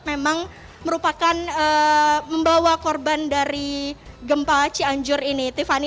memang merupakan membawa korban dari gempa cianjur ini tiffany